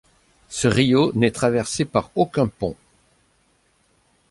Ce rio n'est traversé par aucun pont.